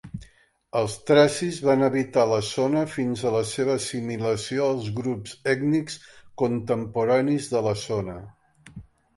Els tracis van habitar la zona fins a la seva assimilació als grups ètnics contemporanis de la zona.